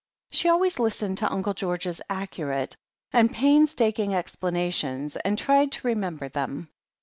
She always listened to Uncle George's accurate and painstaking explanations and tried to remember them.